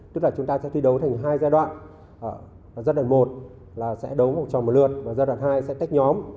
tức là chúng ta sẽ thi đấu thành hai giai đoạn giai đoạn một sẽ đấu một trò một lượt giai đoạn hai sẽ tách nhóm